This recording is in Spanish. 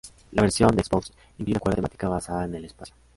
La versión de Xbox incluye una cuarta temática basada en el espacio.